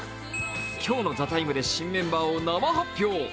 今日の「ＴＨＥＴＩＭＥ，」で新メンバーを生発表！